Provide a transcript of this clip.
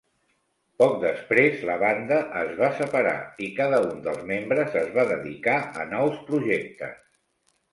Poc després, la banda es va separar, i cada un dels membres es va dedicar a nous projectes.